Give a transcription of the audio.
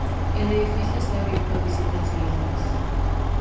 El edificio está abierto a visitas guiadas.